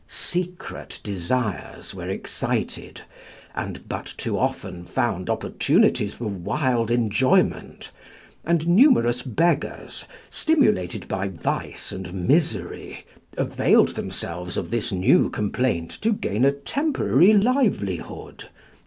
Secret desires were excited, and but too often found opportunities for wild enjoyment; and numerous beggars, stimulated by vice and misery, availed themselves of this new complaint to gain a temporary livelihood.